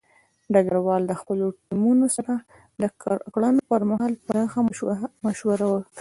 ډګروال د خپلو ټیمونو سره د کړنو پر مهال پراخه مشوره ورکوي.